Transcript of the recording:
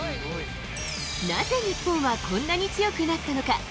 なぜ日本はこんなに強くなったのか。